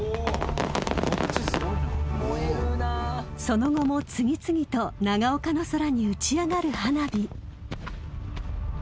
その後も次々と長岡の空に打ち上がる花火。